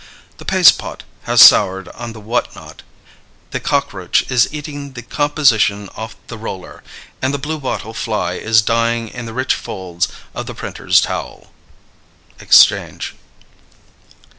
The paste pot has soured on the what not; the cockroach is eating the composition off the roller, and the bluebottle fly is dying in the rich folds of the printer's towel." _Exchange.